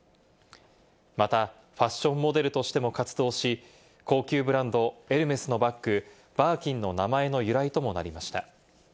またファッションモデルとしても活動し、高級ブランド、エルメスのバッグ、バーキンの名前の由来ともなりました。